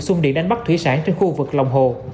xung điện đánh bắt thủy sản trên khu vực lòng hồ